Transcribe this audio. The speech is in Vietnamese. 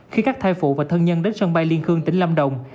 khi các thai phụ và thân nhân đến sân bay liên khương tỉnh lâm đồng